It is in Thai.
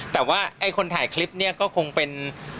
แต่ว่าไอ้คนถ่ายคลิปเนี่ยก็คงเป็น